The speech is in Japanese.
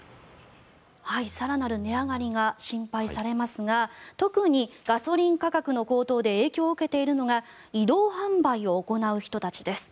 更なる値上がりが心配されますが特にガソリン価格の高騰で影響を受けているのが移動販売を行う人たちです。